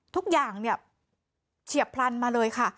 ทุกอย่างเนี่ยเฉียบพลันมาเลยค่ะ